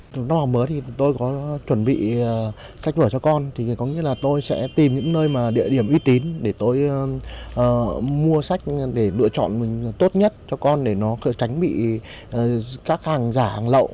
trong năm học mới thì tôi có chuẩn bị sách vở cho con thì có nghĩa là tôi sẽ tìm những nơi mà địa điểm uy tín để tôi mua sách để lựa chọn mình tốt nhất cho con để nó tránh bị các hàng giả hàng lậu